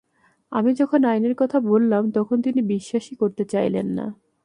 আমি যখন আইনের কথা বললাম, তখন তিনি বিশ্বাসই করতে চাইলেন না।